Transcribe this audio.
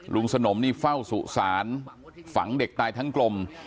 สนมนี่เฝ้าสุสานฝังเด็กตายทั้งกลม